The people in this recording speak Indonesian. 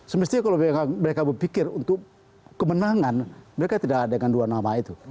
semestinya kalau mereka berpikir untuk kemenangan mereka tidak dengan dua nama itu